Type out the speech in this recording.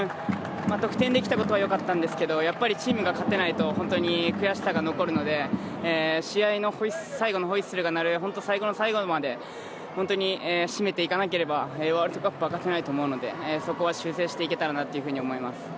得点できたことはよかったんですがチームが勝てないと悔しさが残るので最後のホイッスルが鳴る最後の最後まで締めていかなければワールドカップは勝てないと思うのでそこは修正していければと思います。